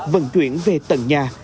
vận chuyển về tận nhà